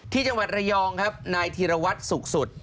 ที่จังหวัดระยองครับนายธีรวัตรสุขสุด